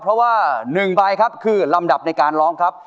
เพราะว่า๑ใบครับคือลำดับในการร้องครับ